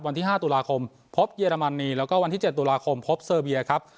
วันที่๕ตุลาคมพบเยอรมนีแล้วก็วันที่๗ตุลาคมพบเซอร์เบียครับ